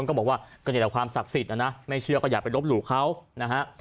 เขาบอกว่ากระเด็นกับความศักดิ์สิทธิ์นะนะไม่เชื่อก็อย่าไปลบหลุเขานะฮะ